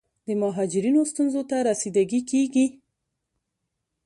د مهاجرینو ستونزو ته رسیدګي کیږي.